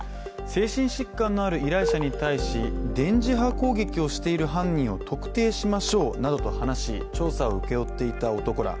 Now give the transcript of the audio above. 精神疾患のある依頼者に対し電磁波攻撃をしている犯人を特定しましょうなどと話し調査を請け負っていた男ら。